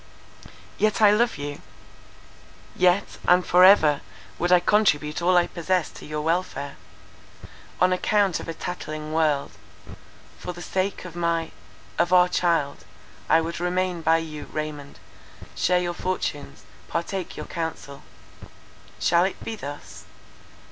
"Yet I love you. Yet, and for ever, would I contribute all I possess to your welfare. On account of a tattling world; for the sake of my—of our child, I would remain by you, Raymond, share your fortunes, partake your counsel. Shall it be thus?